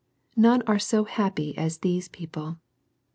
None are so happ] as these people.